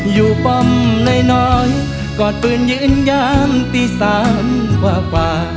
ป้อมน้อยกอดปืนยืนยามตีสามกว่า